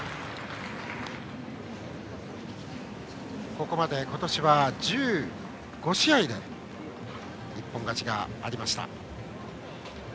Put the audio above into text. ここまで今年は１５試合で一本勝ちがありました。